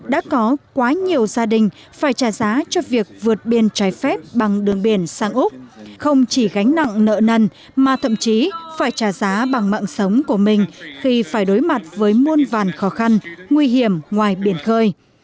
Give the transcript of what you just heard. đã có quá nhiều gia đình phải trả giá cho việc vượt biên trái phép bằng đường biển sang úc không chỉ gánh nặng nợ nần mà thậm chí phải trả giá bằng mạng sống của mình khi phải đối mặt với muôn vàn khó khăn nguy hiểm ngoài biển khơi